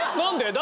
誰？